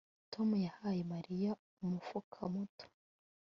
Tom yahaye Mariya umufuka muto